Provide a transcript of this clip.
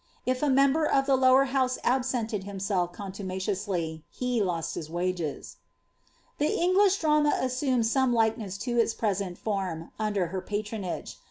If a member of the lower house absented himself coatu maciously, he lost his wages. The English drama assumed some likeness to its present form under her patronage.